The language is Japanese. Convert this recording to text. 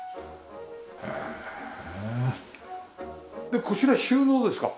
でこちら収納ですか？